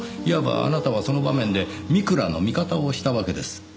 言わばあなたはその場面で美倉の味方をしたわけです。